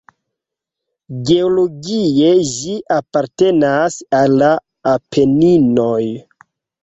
Geologie ĝi apartenas al la Apeninoj.